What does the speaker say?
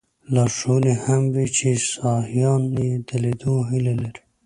لارښوونې هم وې چې سیاحان یې د لیدلو هیله لري.